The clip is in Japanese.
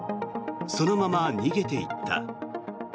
そのまま逃げていった。